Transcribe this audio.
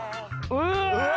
うわ！